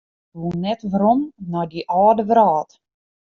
Ik woe net werom nei dy âlde wrâld.